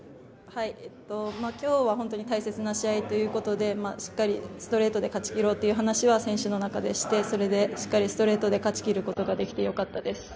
今日は本当に大切な試合ということでしっかりストレートで勝ちきろうという話を選手の中でしてそれでしっかりストレートで勝ちきることができてよかったです。